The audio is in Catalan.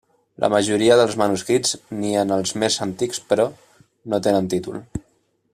La majoria dels manuscrits, ni en els més antics, però, no tenen títol.